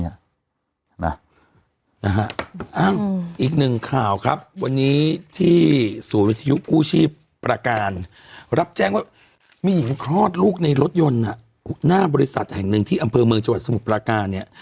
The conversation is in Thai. แจ้งว่ามีหญิงคลอดลูกในรถยนต์น่ะหน้าบริษัทแห่งหนึ่งที่อำเภอเมืองจังหวัดสมุทรประกาศเนี้ย